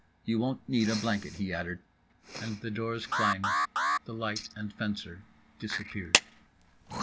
"You won't need a blanket," he added; and the doors clanged, the light and fencer disappeared.